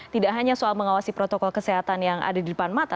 tidak hanya soal mengawasi protokol kesehatan yang ada di depan mata